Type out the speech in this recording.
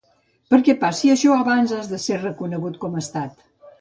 Perquè passi això abans has de ser reconegut com a estat.